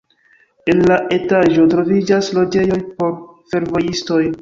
En la etaĝo troviĝas loĝejoj por fervojistoj.